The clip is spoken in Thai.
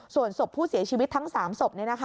ส่วนศพผู้เสียชีวิตทั้ง๓ศพ